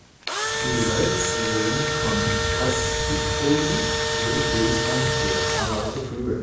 Die Salzseen von Tasitolu sind Lebensraum für zahlreiche Vögel.